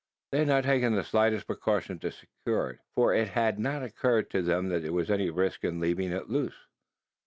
They had not taken the slightest precaution to secure it: for it had not occurred to them that there was any risk in leaving it loose.